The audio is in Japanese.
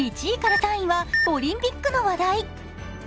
１位から３位はオリンピックの話題。